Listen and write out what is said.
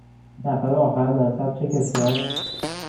نفر آخر در صف چه کسی است؟